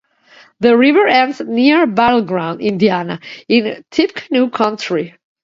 The river ends near Battle Ground, Indiana, in Tippecanoe county.